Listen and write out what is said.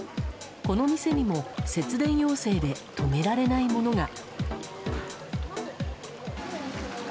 この店にも節電要請で止められないものが。